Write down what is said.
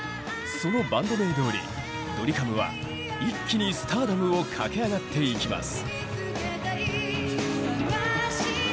そのバンド名どおりドリカムは一気にスターダムを駆け上がっていきます。